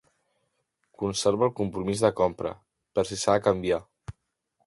Conserva el compromís de compra per si s'ha de canviar.